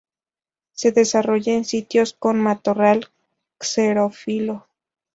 Se desarrolla en sitios con matorral xerófilo.